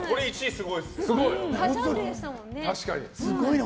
すごいね。